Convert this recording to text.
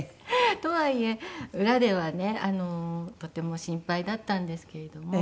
とはいえ裏ではねとても心配だったんですけれども。